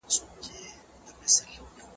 پښتو ژبه زموږ د کلتوري ښکلا یوه لویه برخه ده